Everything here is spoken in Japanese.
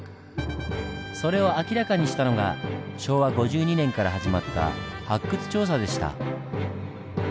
それを明らかにしたのが昭和５２年から始まった発掘調査でした。